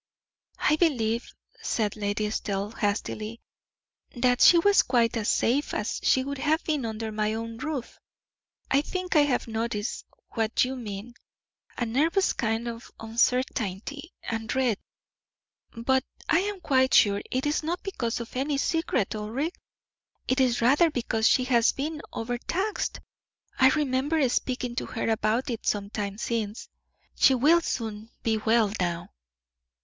"I believe," said Lady Estelle, hastily, "that she was quite as safe as she would have been under my own roof. I think I have noticed what you mean a nervous kind of uncertainty and dread: but I am quite sure it is not because of any secret. Ulric; it is rather because she has been overtaxed. I remember speaking to her about it some time since. She will soon be well now."